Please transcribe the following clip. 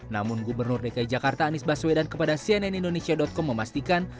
namun gubernur dki jakarta anies baswedan kepada cnn indonesia com memastikan